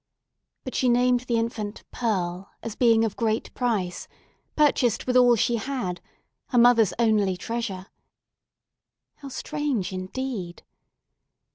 But she named the infant "Pearl," as being of great price—purchased with all she had—her mother's only treasure! How strange, indeed!